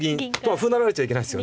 歩成られちゃいけないですよね。